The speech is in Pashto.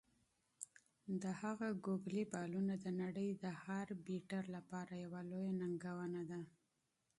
د هغه "ګوګلي" بالونه د نړۍ د هر بیټر لپاره یوه لویه ننګونه ده.